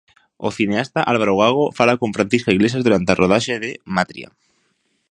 O cineasta Álvaro Gago fala con Francisca Iglesias durante a rodaxe de 'Matria'.